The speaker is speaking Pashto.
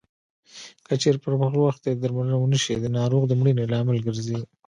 که چېرې پر خپل وخت یې درملنه ونشي د ناروغ د مړینې لامل ګرځي.